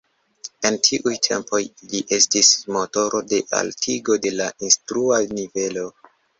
En tiuj tempoj li estis motoro de altigo de la instrua nivelo.